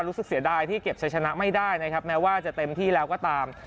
เสียดายที่เก็บใช้ชนะไม่ได้นะครับแม้ว่าจะเต็มที่แล้วก็ตาม